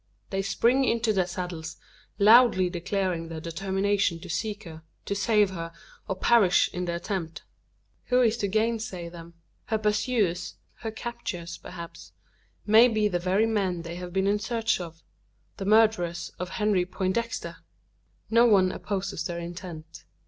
They spring into their saddles, loudly declaring their determination to seek her to save her, or perish in the attempt. Who is to gainsay them? Her pursuers her captors perhaps may be the very men they have been in search of the murderers of Henry Poindexter! No one opposes their intent.